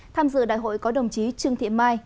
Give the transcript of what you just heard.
tham dự đại hội có đồng chí trương thị mai